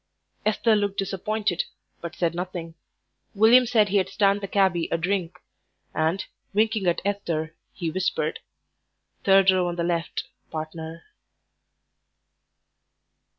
Esther looked disappointed, but said nothing. William said he'd stand the cabby a drink, and, winking at Esther, he whispered, "Third row on the left, partner."